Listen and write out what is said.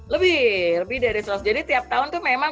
lebih lebih dari seratus jadi tiap tahun tuh memang